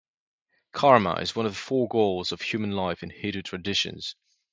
Kama is one of the four goals of human life in Hindu traditions.